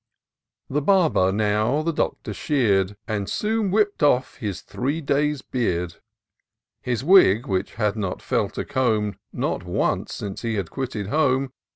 The Barber now the Doctor shear'd, And soon whipp'd off his three days' beard, His wig, which had not felt a comb, — Not once, — since he had quitted home.